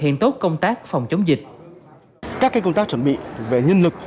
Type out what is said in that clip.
hiện tốt công tác phòng chống dịch